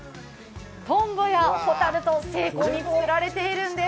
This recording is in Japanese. とんぼやほたると精巧に作られているんです。